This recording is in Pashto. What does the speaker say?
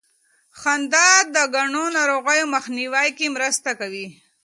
خندا د ګڼو ناروغیو مخنیوي کې مرسته کوي.